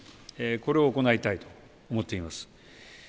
これを行いたいと思っています。